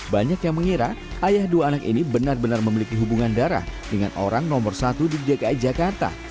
banyak yang mengira ayah dua anak ini benar benar memiliki hubungan darah dengan orang nomor satu di dki jakarta